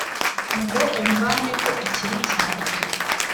ngo umvaneho ikibi cyanjye’